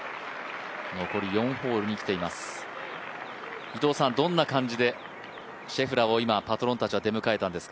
残り４ホールに来ています。